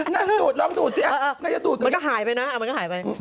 นั่งดูดลองดูดสิมันก็หายไปนะมันก็หายไป